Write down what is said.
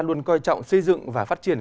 luôn coi trọng xây dựng và phát triển